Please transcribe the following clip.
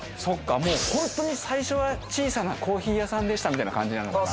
もう本当に最初は小さなコーヒー屋さんでしたみたいな感じなのかな？